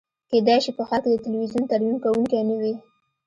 کیدای شي په ښار کې د تلویزیون ترمیم کونکی نه وي